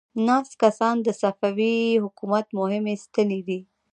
ناست کسان د صفوي حکومت مهمې ستنې دي.